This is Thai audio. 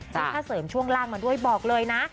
ถ้าเกิดสร้างมาด้วยบอกเลยนะ